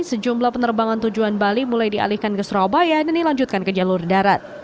sejumlah penerbangan tujuan bali mulai dialihkan ke surabaya dan dilanjutkan ke jalur darat